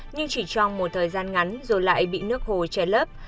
nhưng chỉ trong một thời gian ngắn rồi lại bị nước hồ che lấp